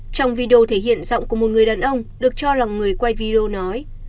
trong video thể hiện giọng của một người đàn ông được cho là người quay video nói